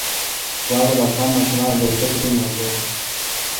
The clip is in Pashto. واوره د افغان ماشومانو د زده کړې موضوع ده.